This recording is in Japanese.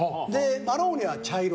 マローネは茶色。